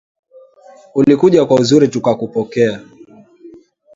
Ulikuja kwa uzuri tukakupokea.